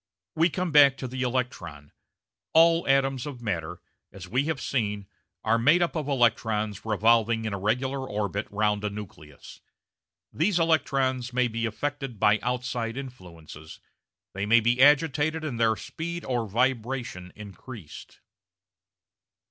We come back to the electron: all atoms of matter, as we have seen, are made up of electrons revolving in a regular orbit round a nucleus. These electrons may be affected by out side influences, they may be agitated and their speed or vibration increased.